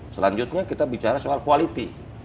selanjutnya kita bicara soal quality